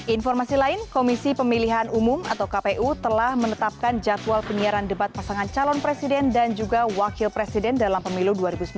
informasi lain komisi pemilihan umum atau kpu telah menetapkan jadwal penyiaran debat pasangan calon presiden dan juga wakil presiden dalam pemilu dua ribu sembilan belas